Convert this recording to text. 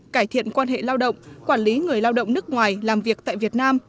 cải thiện quan hệ lao động quản lý người lao động nước ngoài làm việc tại việt nam